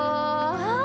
ああ！